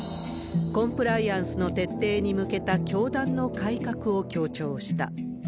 コンプライアンスの徹底に向けた教団の改革を強調した。